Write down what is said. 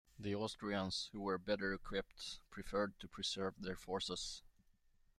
The Austrians, who were better equipped, preferred to preserve their forces.